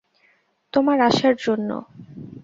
তোমার আশার জন্য?